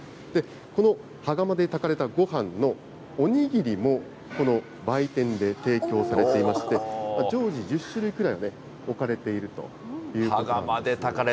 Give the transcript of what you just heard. この羽釜で炊かれたごはんのお握りもこの売店で提供されていまして、常時、１０種類くらいおかれているということなんですね。